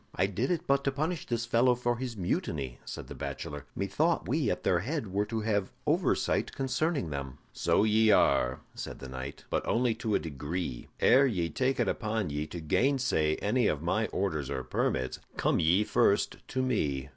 "I did it but to punish this fellow for his mutiny," said the bachelor. "Methought we at their head were to have oversight concerning them." "So ye are," said the knight; "but only to a degree. Ere ye take it upon ye to gainsay any of my orders or permits, come ye first to me.